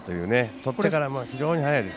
とってからも非常に速いです。